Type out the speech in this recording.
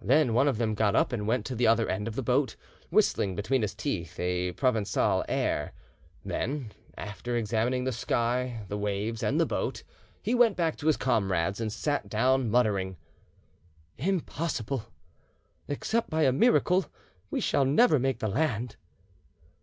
Then one of them got up and went to the other end of the boat, whistling between his teeth a Provencal air; then, after examining the sky, the waves; and the boat, he went back to his comrades and sat down, muttering, "Impossible! Except by a miracle, we shall never make the land."